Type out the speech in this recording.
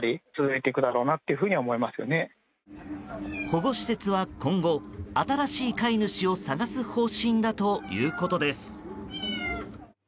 保護施設は今後新しい飼い主を探す方針だということです。